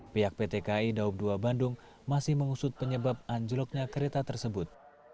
pihak pt kai daob dua bandung masih mengusut penyebab anjloknya kereta tersebut